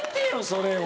それは。